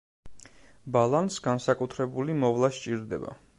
ბალანს განსაკუთრებული მოვლა სჭირდება.